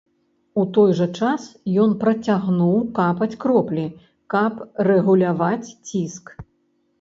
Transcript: У той жа час ён працягнуў капаць кроплі, каб рэгуляваць ціск.